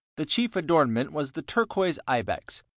The chief ornament was the turquoise ibex 1.